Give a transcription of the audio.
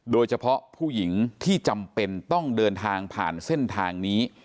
โดยเฉพาะผู้หญิงที่จำเป็นต้องเดินทางผ่านเส้นทางนี้